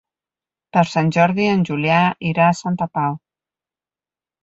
Per Sant Jordi en Julià irà a Santa Pau.